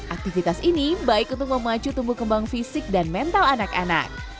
aktivitas ini baik untuk memacu tumbuh kembang fisik dan mental anak anak